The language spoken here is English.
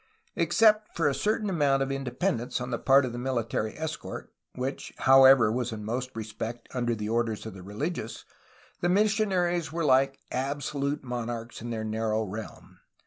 Except for a certain amount of independence on the part of the military escort, which, however, was in most respects under the orders of the religious, the missionaries were Hke absolute monarchs in their narrow realm.